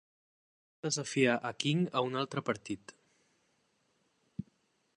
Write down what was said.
Va desafiar King a un altre partit.